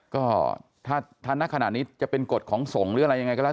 ก็ถ้านักขณะนี้จะเป็นกฎของสงฆ์หรืออะไรยังไงก็แล้ว